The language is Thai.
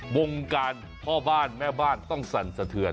วงการพ่อบ้านแม่บ้านต้องสั่นสะเทือน